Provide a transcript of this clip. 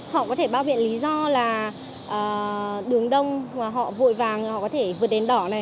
họ có thể bao biện lý do là đường đông và họ vội vàng họ có thể vượt đèn đỏ này